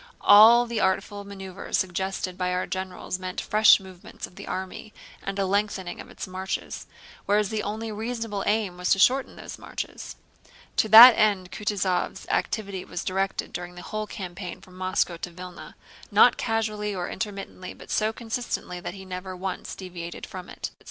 All the artful maneuvers suggested by our generals meant fresh movements of the army and a lengthening of its marches, whereas the only reasonable aim was to shorten those marches. To that end Kutúzov's activity was directed during the whole campaign from Moscow to Vílna—not casually or intermittently but so consistently that he never once deviated from it.